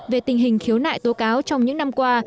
về tình hình khiếu nại tố cáo trong những năm qua